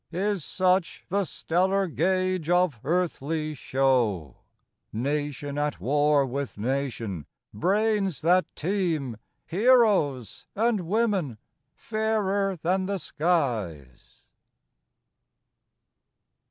Is such the stellar gauge of earthly show, Nation at war with nation, brains that teem, Heroes, and women fairer than the skies?